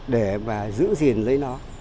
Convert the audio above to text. để mà giữ gìn lấy nó